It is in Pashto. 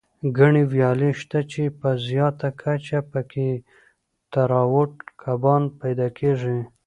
ګڼې ویالې شته، چې په زیاته کچه پکې تراوټ کبان پیدا کېږي.